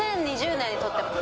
２０２０年に撮ってます。